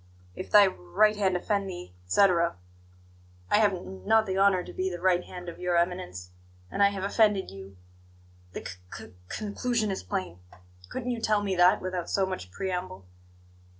'If thy r right hand offend thee,' etc. I have n not the honour to be the right hand of Your Eminence, and I have offended you; the c c conclusion is plain. Couldn't you tell me that without so much preamble?"